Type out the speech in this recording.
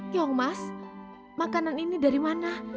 keong mas makanan ini dari mana